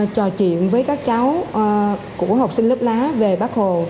trò chuyện với các cháu của học sinh lớp lá về bác hồ